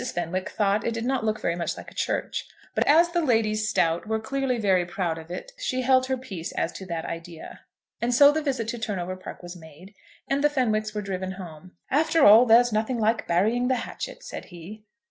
Fenwick thought it did not look very much like a church; but as the Ladies Stowte were clearly very proud of it she held her peace as to that idea. And so the visit to Turnover Park was made, and the Fenwicks were driven home. "After all, there's nothing like burying the hatchet," said he.